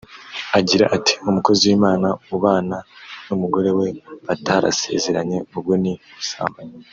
agira ati «Umukozi w’Imana ubana n’umugore we batarasezeranye ubwo ni ubusambanyi